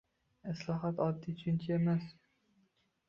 «Islohot» — oddiy tushuncha emas.